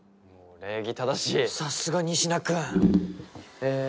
礼儀正しいさすが仁科君ええー